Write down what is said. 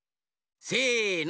せの。